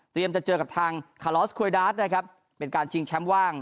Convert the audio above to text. เตรียมจะเจอกับทางคาลอสควอิดาตนะครับเป็นการชิงแชมป์ว่าง